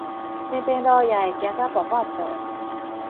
平平路也會行甲跋跋倒？